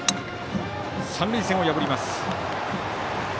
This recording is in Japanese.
三塁線を破ります。